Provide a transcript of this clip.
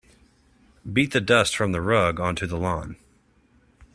Beat the dust from the rug onto the lawn.